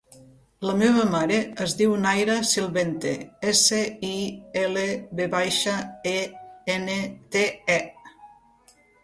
La meva mare es diu Naira Silvente: essa, i, ela, ve baixa, e, ena, te, e.